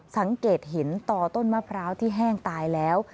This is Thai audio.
สังเกตเห็นต่อต้นมะพร้าวที่แห้งตายแล้ว